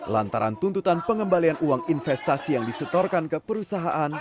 lantaran tuntutan pengembalian uang investasi yang disetorkan ke perusahaan